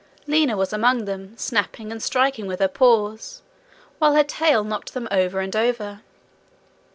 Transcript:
Lina was among them, snapping and striking with her paws, while her tail knocked them over and over.